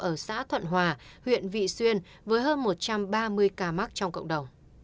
ở xã thuận hòa huyện vị xuyên với hơn một trăm ba mươi ca mắc trong cộng đồng